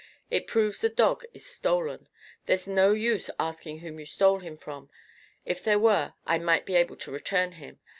It proves the dog is stolen. There's no use asking whom you stole him from. If there were, I might be able to return him.